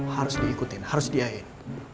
harus diikutin harus di i in